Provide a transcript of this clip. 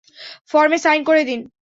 ফর্মে সাইন করে দিন।